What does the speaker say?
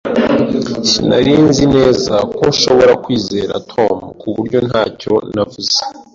Sinari nzi neza ko nshobora kwizera Tom, ku buryo ntacyo navuze.